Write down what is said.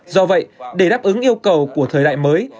do vậy để đáp ứng yêu cầu của thời đại mới